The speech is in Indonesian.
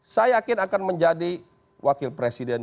saya yakin akan menjadi wakil presiden dua ribu dua puluh empat